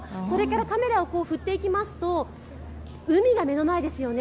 カメラを振っていきますと、海が目の前ですよね。